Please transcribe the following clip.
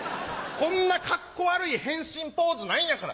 こんなカッコ悪い変身ポーズないんやから。